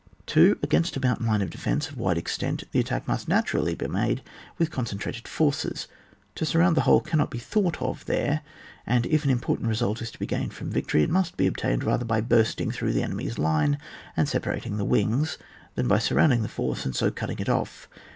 2. Against a mountain line of defence of wide extent, the attack must naturally be made with concentrated forces; to surround the whole cannot be thought of therOi and if an important result is to be gained from victory, it must be obtained rather by bursting through the enemy's line, and separating the wings, than by surrounding the force, and so cutting it ofiP.